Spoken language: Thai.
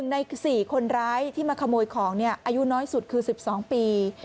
ใน๔คนร้ายที่มาขโมยของอายุน้อยสุดคือ๑๒ปี